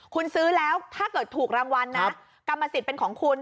คุณซื้อแล้วถ้าเกิดถูกรางวัลนะกรรมสิทธิ์เป็นของคุณ